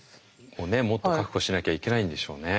もっと確保しなきゃいけないんでしょうね。